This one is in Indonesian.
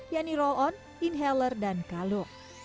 yang di roll on inhaler dan kalung